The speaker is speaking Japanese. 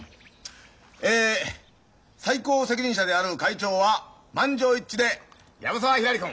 え最高責任者である会長は満場一致で藪沢ひらり君。